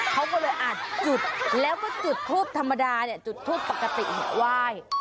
เขาก็เลยอาจจุดแล้วก็จุดทูปธรรมดาเนี่ยจุดทูปปกติไหว้